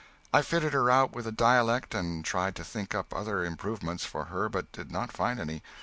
I fitted her out with a dialect, and tried to think up other improvements for her, but did not find any.